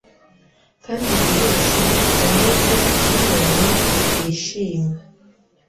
kandi buri wese yari ameze nk'inyoni yishimye